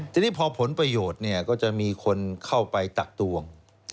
ทีนี้พอผลประโยชน์เนี่ยก็จะมีคนเข้าไปตักตวง